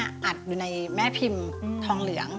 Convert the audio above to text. อัดอยู่ในแม่พิมพ์ทองเหลือง